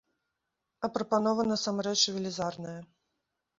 А прапанова насамрэч велізарная.